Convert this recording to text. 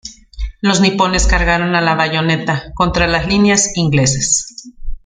Los nipones cargaron a la bayoneta contra las líneas inglesas.